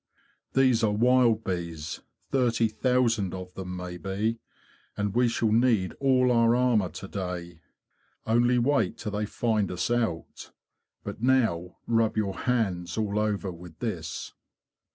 '' These are wild bees, thirty 78 THE BEE MASTER OF WARRILOW thousand of them, maybe; and we shall need all our armour to day. Only wait till they find us out! But now rub your hands all over with this."